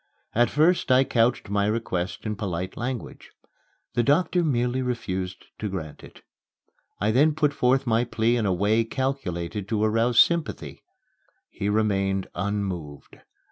At first I couched my request in polite language. The doctor merely refused to grant it. I then put forth my plea in a way calculated to arouse sympathy. He remained unmoved.